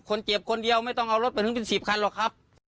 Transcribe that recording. คนเจ็บคนเดียวไม่ต้องเอารถไปถึงเป็น๑๐คันหรอกครับ